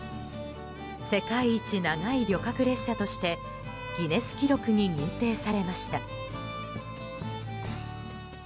世界一長い旅客列車としてギネス記録に認定されました。